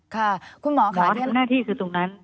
คุณหมอค่ะยังมองว่าหน้าที่คือตรงนั้น